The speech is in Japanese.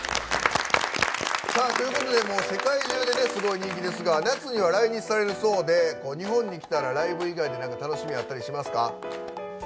世界中ですごい人気ですが、夏には来日されるそうで日本に来たらライブ以外でなんか楽しみあったりしますか？